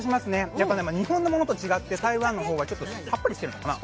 やっぱ、でも日本のものと違ってタイのものの方がさっぱりしてるのかな。